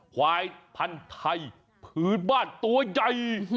ควายพันธุ์ไทยพื้นบ้านตัวใหญ่